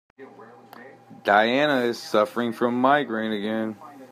Diana is suffering from migraine again.